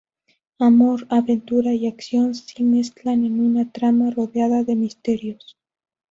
Amor, aventura y acción si mezclan en una trama rodeada de misterios.